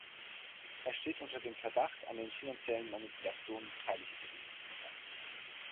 Er steht unter dem Verdacht, an den finanziellen Manipulationen beteiligt gewesen zu sein.